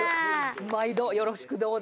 毎度よろしくどうぞ。